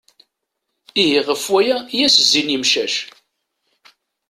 Ihi ɣef waya i as-zzin yemcac.